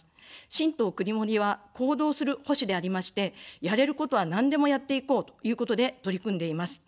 新党くにもりは、行動する保守でありまして、やれることはなんでもやっていこうということで取り組んでいます。